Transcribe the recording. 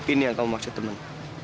ini yang kamu maksud teman